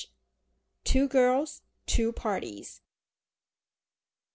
TWO GIRLS TWO PARTIES.